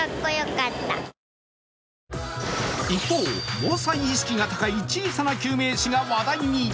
一方、防災意識が高い小さな救命士が話題に。